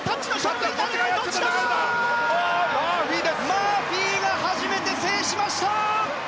マーフィーが初めて制しました！